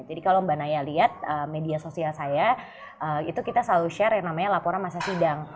jadi kalau mbak naya lihat media sosial saya itu kita selalu share yang namanya laporan masa sidang